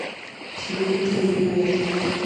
しゃべりたいよ～